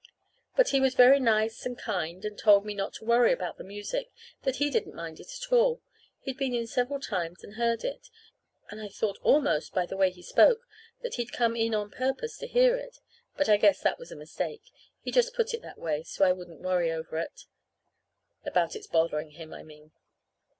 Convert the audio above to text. But he was very nice and kind and told me not to worry about the music that he didn't mind it at all. He'd been in several times and heard it. And I thought almost, by the way he spoke, that he'd come in on purpose to hear it; but I guess that was a mistake. He just put it that way so I wouldn't worry over it about its bothering him, I mean.